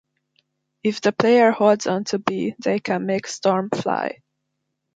If the player holds on to B they can make Storm fly.